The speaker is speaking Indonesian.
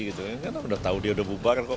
karena udah tahu dia udah bubar kok